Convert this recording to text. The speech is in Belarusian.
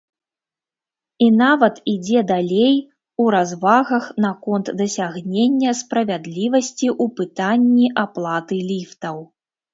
І нават ідзе далей у развагах наконт дасягнення справядлівасці ў пытанні аплаты ліфтаў.